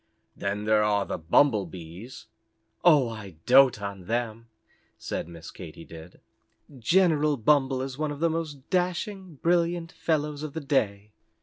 "Then there are the Bumble Bees." "Oh, I dote on them," said Miss Katy Did. "General Bumble is one of the most dashing, brilliant fellows of the day."